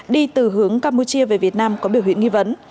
đi từ hướng campuchia về việt nam có biểu hiện nghi vấn